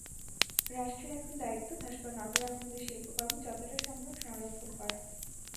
রাষ্ট্রের এখন দায়িত্ব ভাস্কর নভেরা আহমেদের শিল্পকর্ম যতটা সম্ভব সংরক্ষণ করা।